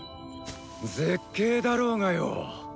絶景だろうがよ